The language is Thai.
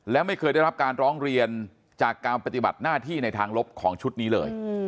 และไม่เคยได้รับการร้องเรียนจากการปฏิบัติหน้าที่ในทางลบของชุดนี้เลย